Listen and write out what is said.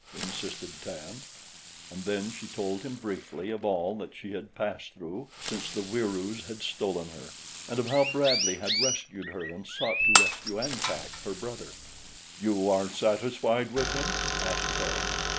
insisted Tan. And then she told him briefly of all that she had passed through since the Wieroos had stolen her and of how Bradley had rescued her and sought to rescue An Tak, her brother. "You are satisfied with him?" asked Tan.